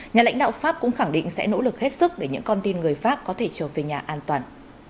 nhà lãnh đạo pháp cũng khẳng định sẽ nỗ lực hết sức để những con tin người pháp có thể trở về nhà an toàn